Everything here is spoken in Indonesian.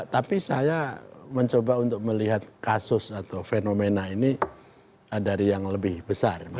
tapi saya mencoba untuk melihat kasus atau fenomena ini dari yang lebih besar